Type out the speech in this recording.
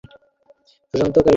আমি বুঝি বেহায়া?